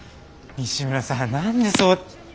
西村さん何でそう。